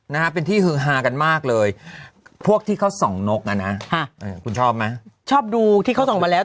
นะฮะเป็นที่ฮือฮากันมากเลยพวกที่เขาส่องนกอ่ะนะคุณชอบไหมชอบดูที่เขาส่องมาแล้ว